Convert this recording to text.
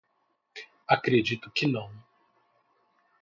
Acredito que não